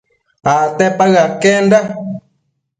Acte paë aquenda